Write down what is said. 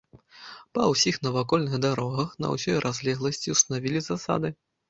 Па ўсіх навакольных дарогах, на ўсёй разлегласці ўстанавілі засады.